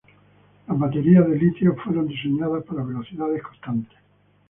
Las baterías de litio fueron diseñadas para velocidades constantes.